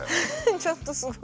ちょっとすごい。